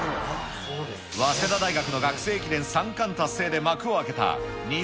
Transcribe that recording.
早稲田大学の学生駅伝３冠達成で幕を開けた２０１１年。